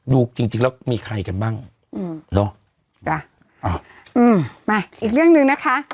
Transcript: จริงจริงแล้วมีใครกันบ้างอืมเนอะจ้ะอ่าอืมมาอีกเรื่องหนึ่งนะคะ